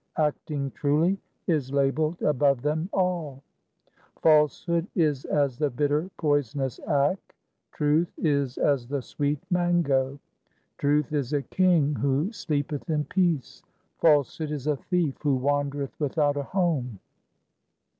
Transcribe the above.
Acting truly is labelled above them all. 2 Falsehood is as the bitter poisonous akk ; truth is as the sweet mango. Truth is a king who sleepeth in peace ; falsehood is a thief who wandereth without a home.